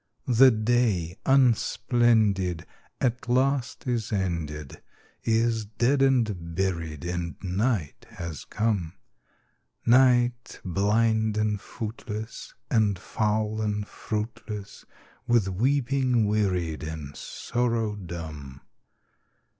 The day, unsplendid, at last is ended, Is dead and buried, and night has come; Night, blind and footless, and foul and fruitless, With weeping wearied, and sorrow dumb.